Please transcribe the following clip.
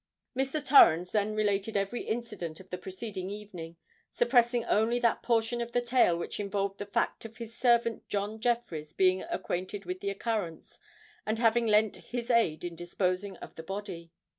Mr. Torrens then related every incident of the preceding evening, suppressing only that portion of the tale which involved the fact of his servant John Jeffreys being acquainted with the occurrence, and having lent his aid in disposing of the body.